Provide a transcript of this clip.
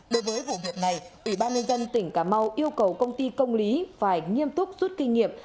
đối với vụ việc này ủy ban nhân dân tỉnh cà mau yêu cầu công ty công lý phải nghiêm túc rút kinh nghiệm